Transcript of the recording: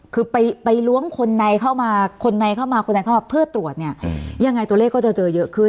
คือไปล้วงคนในเข้ามาเพื่อตรวจยังไงตัวเลขก็จะเจอเยอะขึ้น